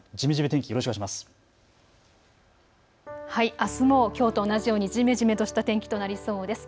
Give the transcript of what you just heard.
あすもきょうと同じようにもきょうと同じようにじめじめとした天気となりそうです。